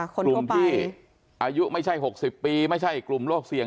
กลุ่มที่อายุไม่ใช่๖๐ปีไม่ใช่กลุ่มโรคเสี่ยง